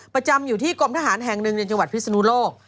ประจำอยู่ที่กรมทหารแห่งหนึ่งในจังหวัดพิศนุโลก